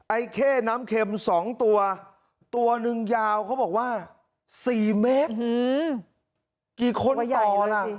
ไอเคน้ำเข็มสองตัวตัวหนึ่งยาวเขาบอกว่าสี่เมตร